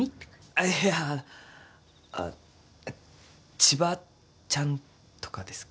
あっいやあっ千葉ちゃんとかですかね。